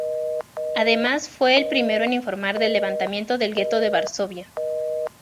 Además, fue el primero en informar del levantamiento del gueto de Varsovia.